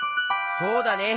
そうだね。